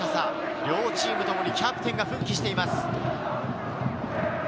両チームともにキャプテンが奮起しています。